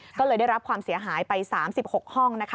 ก็เลยได้รับความเสียหายไป๓๖ห้องนะคะ